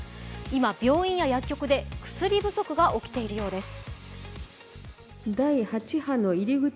今、病院や薬局で薬不足が起きているようです。